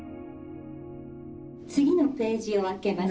「次のページを開けます」。